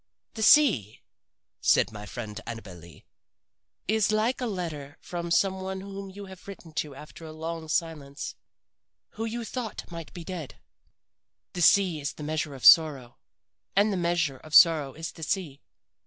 "The sea," said my friend Annabel Lee, "is like a letter from some one whom you have written to after a long silence, who you thought might be dead. "The sea is the measure of sorrow, and the measure of sorrow is the sea.